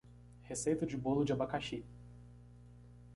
Receita de bolo de abacaxi.